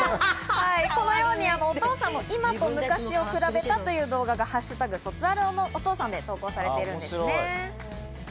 このようにお父さんの今と昔を比べたという動画が「＃卒アルお父さん」で投稿されているんですね。